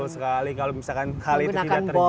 betul sekali kalau misalkan hal itu tidak terjadi